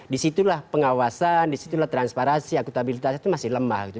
disitulah pengawasan disitulah transparansi akutabilitas itu masih lemah gitu